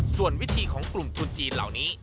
ส่วนวิธีของกลุ่มทุนจีนเหล่านี้